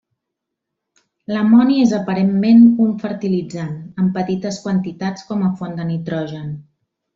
L'amoni és aparentment un fertilitzant, en petites quantitats com a font de nitrogen.